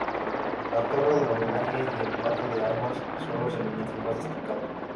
La Torre del Homenaje y el Patio de Armas son los elementos más destacados.